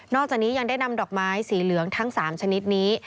จากนี้ยังได้นำดอกไม้สีเหลืองทั้ง๓ชนิดนี้